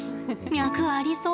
脈ありそう。